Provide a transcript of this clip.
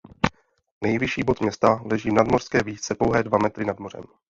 Nejvyšší bod města leží v nadmořské výšce pouhé dva metry nad mořem.